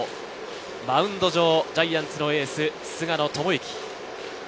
マウンド場ジャイアンツのエース・菅野智之。